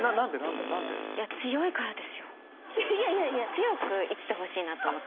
強く生きてほしいなと思って。